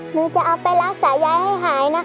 หนูจะเอาไปรักษายายให้หายนะคะ